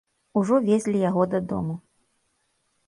Ужо везлі яго дадому.